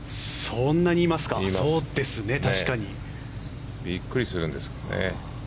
そうですね、確かに。びっくりするんですよね。